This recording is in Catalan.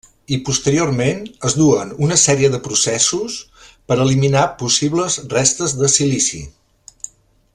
I posteriorment, es duen una sèrie de processos per eliminar possibles restes de silici.